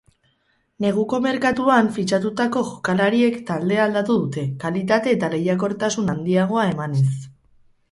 Neguko merkatuan fitxatutako jokalariek taldea aldatu dute, kalitate eta lehiakortasun handiagoa emanez.